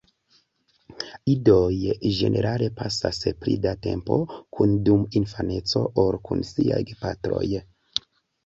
Idoj ĝenerale pasas pli da tempo kune dum infaneco ol kun siaj gepatroj.